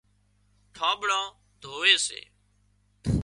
ٺانٻڙان ڌووي سي